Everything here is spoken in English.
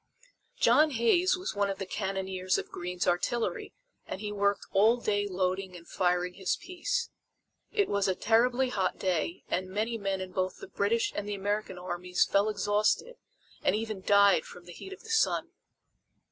John Hays was one of the cannoneers of Greene's artillery and he worked all day loading and firing his piece. It was a terribly hot day and many men in both the British and the American armies fell exhausted and even died from the heat of the sun.